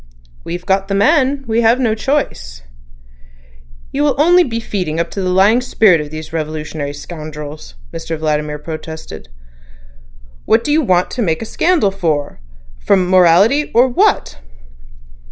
"We've got the man; we have no choice." "You will be only feeding up the lying spirit of these revolutionary scoundrels," Mr Vladimir protested. "What do you want to make a scandal for?—from morality—or what?"